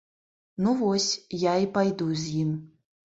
Ну вось, я і пайду з ім.